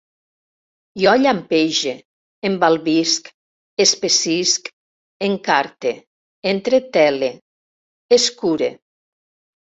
Jo llampege, embalbisc, espessisc, encarte, entretele, escure